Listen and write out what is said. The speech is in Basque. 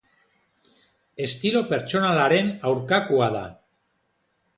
Estilo pertsonalaren aurkakoa da.